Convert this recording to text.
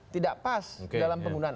tidak pas dalam penggunaan